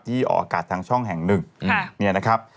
ที่ออกกัดทางช่องแห่งหนึ่ง